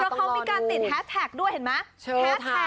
เพราะเขามีการติดแฮทแทคด้วยเห็นมั้ย